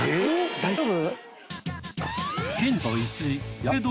大丈夫？